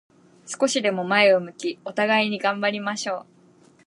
少しでも前を向き、互いに頑張りましょう。